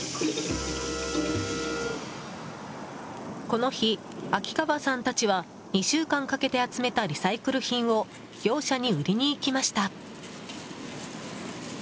この日、秋川さんたちは２週間かけて集めたリサイクル品を業者に売りに行きました。